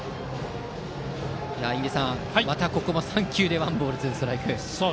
印出さん、またここも３球でワンボール、ツーストライク。